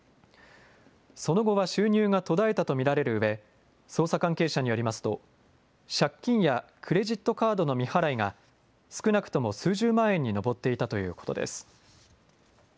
その後は収入が途絶えたと見られるうえ捜査関係者によりますと借金やクレジットカードの未払いが少なくとも数十万円に上っていたということです。